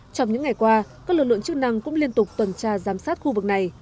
trong những ngày qua các lực lượng chức năng cũng liên tục tuần tra giám sát khu vực này